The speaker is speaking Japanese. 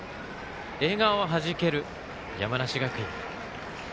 笑顔はじける山梨学院。